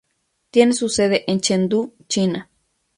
Tiene su sede en Chengdu, China.